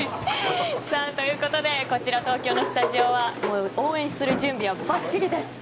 ということでこちら、東京のスタジオは応援する準備はバッチリです。